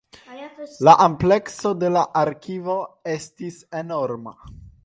La amplekso de la arkivo estis enorma.